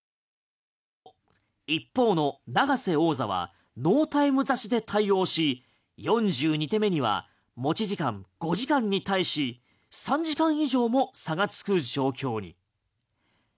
一方の永瀬王座はノータイム指しで対応し４２手目には持ち時間５時間に対し３時間以上も差がつく状況に。